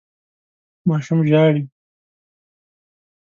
ماشوم ژاړي.